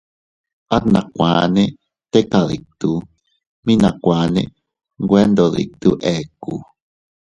At nakuanne teka dittu, mi nakuane nwe ndo dittu eku.